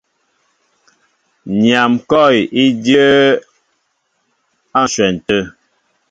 Nyam kɔ̂w í dyə́ə́ á ǹshwɛn tə̂.